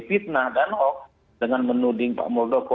fitnah dan hoax dengan menuding pak muldoko